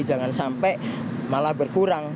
jangan sampai malah berkurang